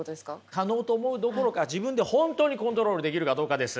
可能と思うどころか自分で本当にコントロールできるかどうかです。